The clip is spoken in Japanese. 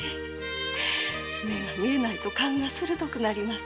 目が見えないと勘が鋭くなります。